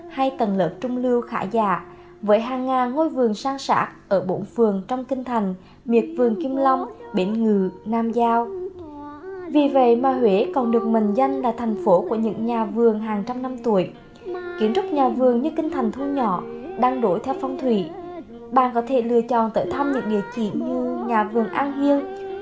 hãy đăng ký kênh để ủng hộ kênh của mình nhé